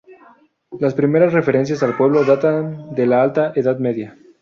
Las primeras referencias al pueblo datan de la Alta Edad Media.